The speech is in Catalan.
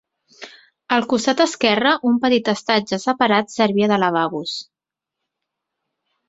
Al costat esquerre un petit estatge separat servia de lavabos.